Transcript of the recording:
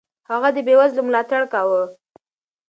هغه د بېوزلو ملاتړ کاوه.